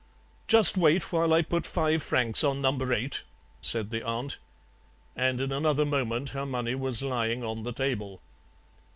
"'Just wait while I put five francs on number eight,' said the aunt, and in another moment her money was lying on the table.